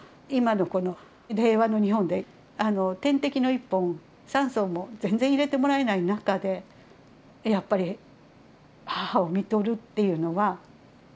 今のこの令和の日本で点滴の１本酸素も全然入れてもらえない中でやっぱり母をみとるっていうのは。